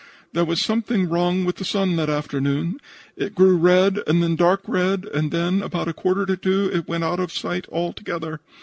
"There was something wrong with the sun that afternoon. It grew red and then dark red and then, about a quarter after 2, it went out of sight altogether.